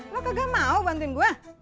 lo kagak mau bantuin gue